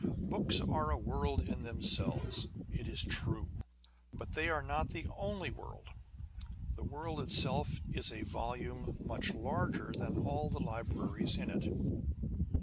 Books are a world in themselves, it is true ; but they are not the only world. The world it self is a volume larger than all the libraries in it.